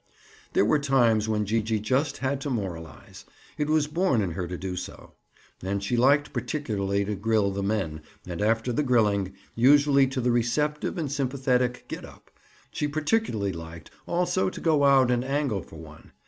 There were times when Gee gee just had to moralize; it was born in her to do so. And she liked particularly to grill the men, and after the grilling—usually to the receptive and sympathetic Gid up—she particularly liked, also, to go out and angle for one.